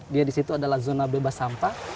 dia di situ adalah zona bebas sampah